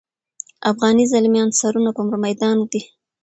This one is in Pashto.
افغاني زلمیان سرونه پر میدان ږدي.